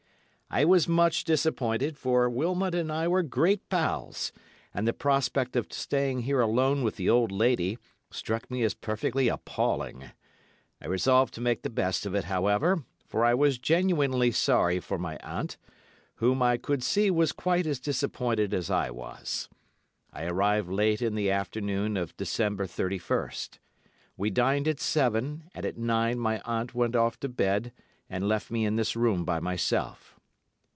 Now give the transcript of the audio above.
"I was much disappointed, for Wilmot and I were great pals, and the prospect of staying here alone with the old lady struck me as perfectly appalling. I resolved to make the best of it, however, for I was genuinely sorry for my aunt, whom I could see was quite as disappointed as I was. I arrived late in the afternoon of December 31st. We dined at seven, and at nine my aunt went off to bed and left me in this room by myself.